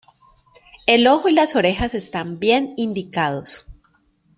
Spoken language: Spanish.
El ojo y las orejas están bien indicados.